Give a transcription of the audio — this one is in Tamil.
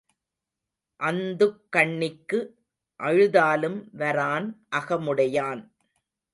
அந்துக் கண்ணிக்கு அழுதாலும் வரான் அகமுடையான்.